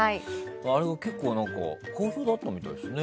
あれが結構、好評だったみたいですね。